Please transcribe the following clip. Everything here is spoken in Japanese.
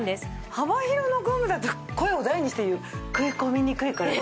幅広のゴムだと声を大にして言う食い込みにくいから好き！